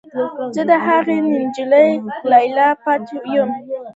زه د هغې نجلۍ لالی پاتې یم